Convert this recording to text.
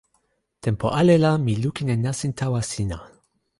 tenpo ale la mi lukin e nasin tawa sina.